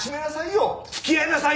付き合いなさいよ！